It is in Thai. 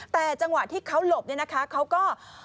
แต่จังหวะที่เขาหลบเนี่ยนะคะเขาก็